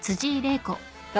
誰？